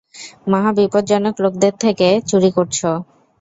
মহাবিপজ্জনক লোকদের থেকে চুরি করছ।